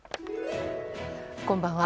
こんばんは。